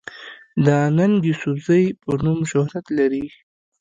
د “ ننګ يوسفزۍ” پۀ نوم شهرت لري